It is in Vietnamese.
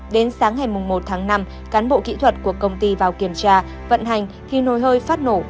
đến sáng ngày một tháng năm cán bộ kỹ thuật của công ty vào kiểm tra vận hành thì nồi hơi phát nổ